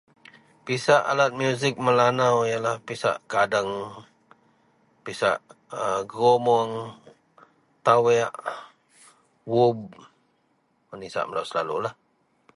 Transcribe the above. Pisak alat musik Melanau yenlah pisak gadeng, pisak engkromong, tawaek, wob wak nisak melou selalu lah.